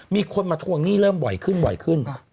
มีคนมาทวงหนี้เริ่มบ่อยขึ้นบ่อยขึ้น